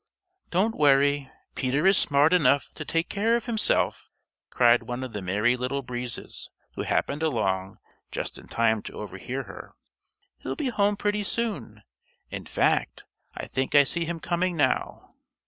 "Don't worry. Peter is smart enough to take care of himself," cried one of the Merry Little Breezes, who happened along just in time to overhear her. "He'll be home pretty soon. In fact, I think I see him coming now."